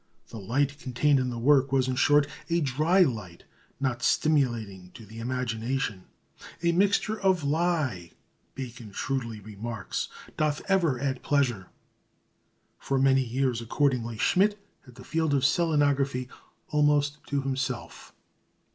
The light contained in the work was, in short, a "dry light," not stimulating to the imagination. "A mixture of a lie," Bacon shrewdly remarks, "doth ever add pleasure." For many years, accordingly, Schmidt had the field of selenography almost to himself.